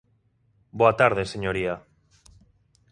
Boa tarde, señoría.